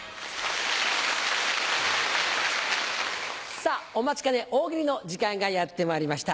さぁお待ちかね大喜利の時間がやってまいりました。